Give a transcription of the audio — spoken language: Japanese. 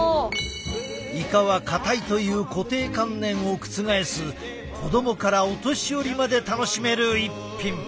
「イカはかたい」という固定観念を覆す子供からお年寄りまで楽しめる一品。